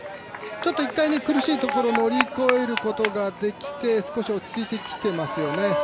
ちょっと一回苦しいところを乗り越えることが出来て少し落ち着いてきてますよね。